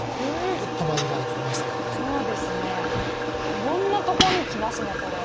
いろんなとこにきますねこれ。